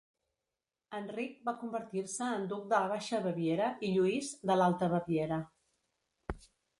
Enric va convertir-se en Duc de la Baixa Baviera i Lluís, de l'Alta Baviera.